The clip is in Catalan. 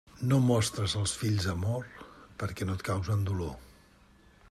No mostres als fills amor perquè no et causen dolor.